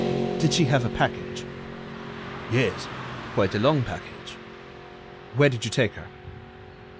"Did she have a package?" "Yes, quite a long package." "Where did you take her?"